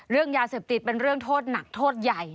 เรื่องยาเสพติดเป็นเรื่องโทษหนักโทษใหญ่